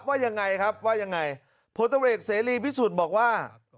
ว่ายังไงครับว่ายังไงพ้นเจ้าบริเวศพิสุทธิ์บอกว่า